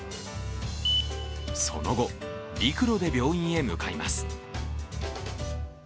その後、陸路で病院へ向かいます。